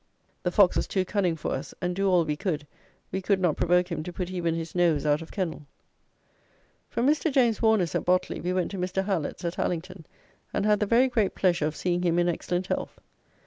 The fox was too cunning for us, and do all we could, we could not provoke him to put even his nose out of kennel. From Mr. James Warner's at Botley we went to Mr. Hallett's, at Allington, and had the very great pleasure of seeing him in excellent health.